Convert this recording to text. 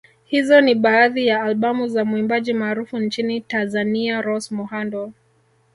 Hizo ni baadhi ya albamu za muimbaji maarufu nchini Tazania Rose Muhando